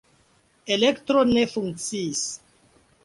Elektro ne funkciis.